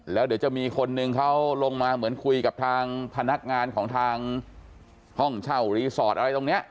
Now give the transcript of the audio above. แล้วเดี๋ยวจะมีคนนึงเขาลงมาเหมือนคุยกับทางพนักงานของทางห้องเช่ารีสอร์ทอะไรตรงนี้